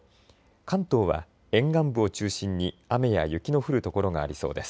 関東は沿岸部を中心に雨や雪の降る所がありそうです。